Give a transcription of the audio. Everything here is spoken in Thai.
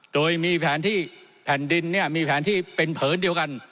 โดยมีแผนที่แผ่นดินมีแผนที่เป็นเผินเดียวกัน